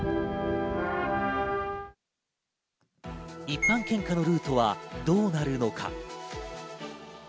一般献花ルートはどうなるのか。